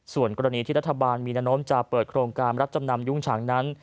ส่วนกรณีที่รัฐบาลมีแนวโน้มจะเปิดโครงการรับจำนำยุ้งฉางนั้น